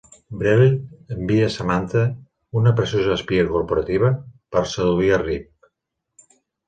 Brell envia Samantha, una preciosa espia corporativa, per seduir a Rip.